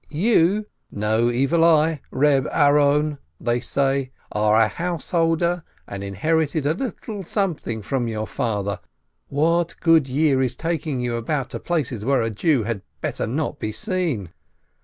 "You, no evil eye, Eeb Aaron," say they, "are a householder, and inherited a little something from your father. What good year is taking you about to places where a Jew had better not be seen?"